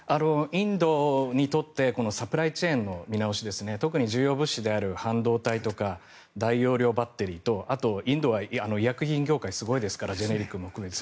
インドにとってサプライチェーンの見直しですね特に重要物資である半導体とか大容量バッテリーとあとはインドは医薬品業界がすごいですからジェネリックも含めて。